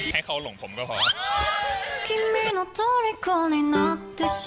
ให้เขาหลงผมก็พอ